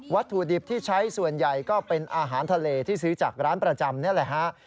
ถุดิบที่ใช้ส่วนใหญ่ก็เป็นอาหารทะเลที่ซื้อจากร้านประจำนี่แหละฮะ